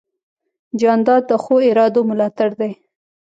جانداد د ښو ارادو ملاتړ دی.